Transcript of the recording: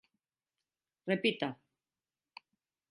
Repita.